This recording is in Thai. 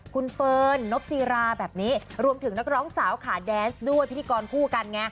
คุณเฟิร์นนบจีราแบบนี้รวมถึงนักร้องสาวขาแดนส์ด้วยพิธีกรคู่กันไง